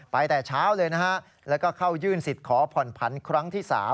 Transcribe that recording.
แต่เช้าเลยนะฮะแล้วก็เข้ายื่นสิทธิ์ขอผ่อนผันครั้งที่๓